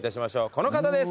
この方です！